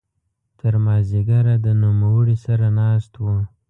تر ماذیګره د نوموړي سره ناست وو.